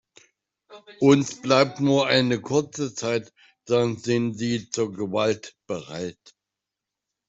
Uns bleibt nur eine kurze Zeit, dann sind sie zur Gewalt bereit.